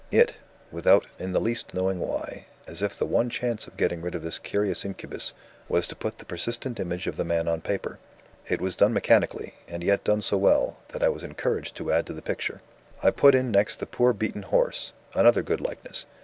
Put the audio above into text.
It (without in the least knowing why) as if the one chance of getting rid of this curious incubus, was to put the persistent image of the man on paper. It was done mechanically, and yet done so well, that I was encouraged to add to the picture. I put in next the poor beaten horse (another good likeness!)